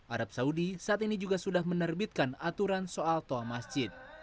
arab saudi saat ini juga sudah menerbitkan aturan soal toa masjid